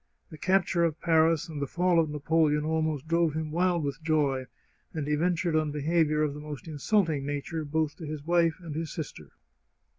The capture of Paris and the fall of Napoleon almost drove him wild with joy, and he ven tured on behaviour of the most insulting nature, both to his wife and his sister.